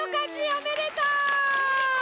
おめでとう！